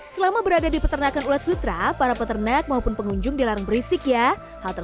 selama berada di peternakan ulat sutra para peternak maupun pengunjung dilarang berisik ya halte